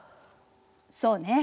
そうね。